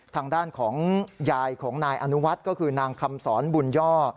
ทางด้านของยายของนายอนุวัฒน์ก็คือนางคำสอนบุญย่อ